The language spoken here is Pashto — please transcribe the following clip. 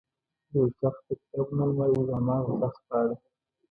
د یو شخص د کتابونو المارۍ د هماغه شخص په اړه.